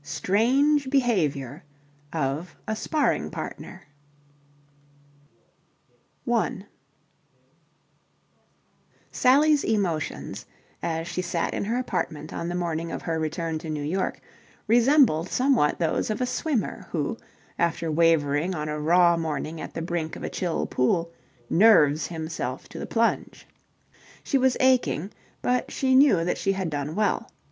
STRANGE BEHAVIOUR OF A SPARRING PARTNER 1 Sally's emotions, as she sat in her apartment on the morning of her return to New York, resembled somewhat those of a swimmer who, after wavering on a raw morning at the brink of a chill pool, nerves himself to the plunge. She was aching, but she knew that she had done well.